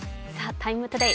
「ＴＩＭＥ，ＴＯＤＡＹ」